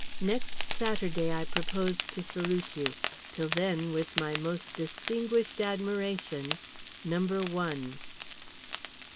Next Saturday I propose to salute you. Till then with my most distinguished admiration, Number One.